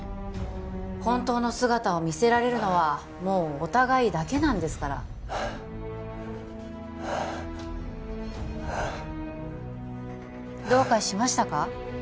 本当の姿を見せられるのはもうお互いだけなんですからはあっはあっどうかしましたか？